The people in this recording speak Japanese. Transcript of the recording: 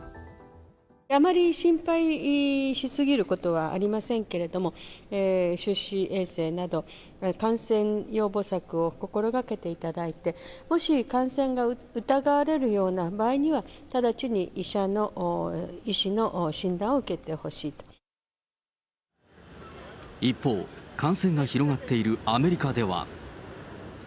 あまり心配し過ぎることはありませんけれども、手指衛生など、感染予防策を心がけていただいて、もし感染が疑われるような場合には、直ちに医者の、一方、感染が広がっているアメリカでは。